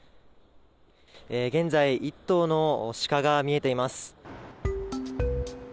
現在、１頭の鹿が見えています。